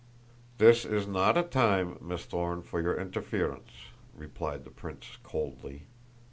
"This is not a time, Miss Thorne, for your interference," replied the prince coldly.